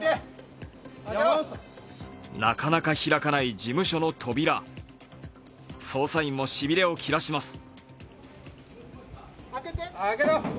なかなか開かない事務所の扉、捜査員もしびれを切らします。